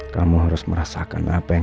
kamu harus merasakan apa yang saya rasakan